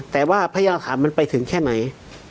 แต่ว่าพยาบาลธรรมมันไปถึงแค่ไหน